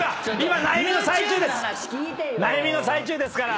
悩みの最中ですから。